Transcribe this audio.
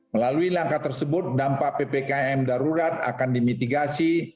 melalui langkah tersebut dampak ppkm darurat akan dimitigasi